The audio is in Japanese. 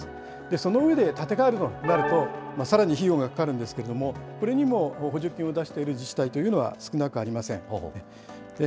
その上で、建て替えるとなると、さらに費用がかかるんですけれども、これにも補助金を出している自治体というのは少なくありません。